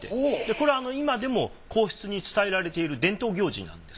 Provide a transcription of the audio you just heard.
これ今でも皇室に伝えられている伝統行事なんです。